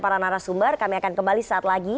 para narasumber kami akan kembali saat lagi